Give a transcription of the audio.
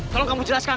tolong kamu jelaskan